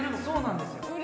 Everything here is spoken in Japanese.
そうなんですよ